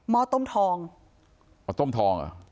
หม้อต้มทอง